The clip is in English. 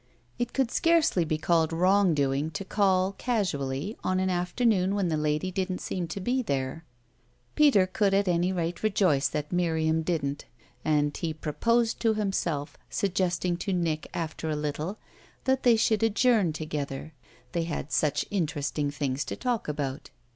It could scarcely be called wrong doing to call, casually, on an afternoon when the lady didn't seem to be there. Peter could at any rate rejoice that Miriam didn't; and he proposed to himself suggesting to Nick after a little that they should adjourn together they had such interesting things to talk about.